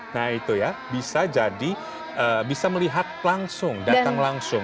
nah itu ya bisa jadi bisa melihat langsung datang langsung